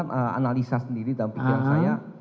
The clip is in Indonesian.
saya akan mencoba untuk mencoba